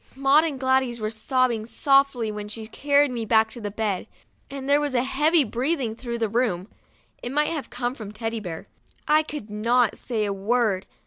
Maud and Gladys were sobbing softly when she carried me back to bed, and there was a heavy breathing through the room ; it might have come from Teddy Bear. I could not say a word.